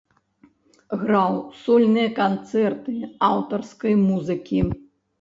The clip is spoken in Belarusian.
Граў сольныя канцэрты аўтарскай музыкі.